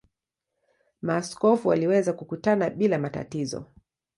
Maaskofu waliweza kukutana bila matatizo.